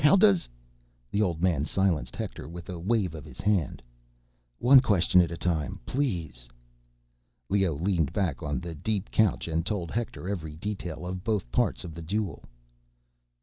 How does—" The old man silenced Hector with a wave of his hand. "One question at a time, please." Leoh leaned back on the deep couch and told Hector every detail of both parts of the duel.